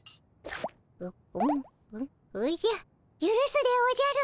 おじゃゆるすでおじゃる。